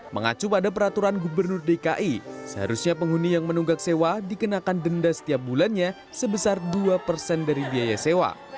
mengacu pada peraturan gubernur dki seharusnya penghuni yang menunggak sewa dikenakan denda setiap bulannya sebesar dua persen dari biaya sewa